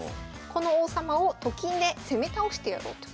この王様をと金で攻め倒してやろうと。